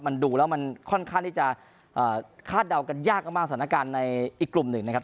มันดูแล้วมันค่อนข้างที่จะคาดเดากันยากมากสถานการณ์ในอีกกลุ่มหนึ่งนะครับ